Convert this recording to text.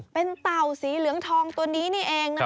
เป็นเต่าสีเหลืองทองตัวนี้นี่เองนะ